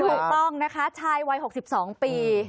ถูกต้องนะคะชายวัย๖๒ปี